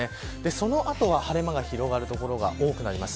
そのあとは晴れ間が広がる所が多くなります。